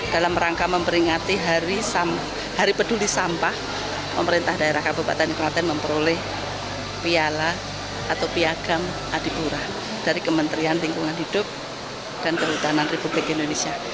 dalam rangka memperingati hari peduli sampah pemerintah daerah kabupaten kelaten memperoleh piala atau piagam adipura dari kementerian lingkungan hidup dan kehutanan republik indonesia